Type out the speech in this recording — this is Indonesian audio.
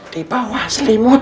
di bawah selimut